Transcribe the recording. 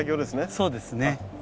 そうですね。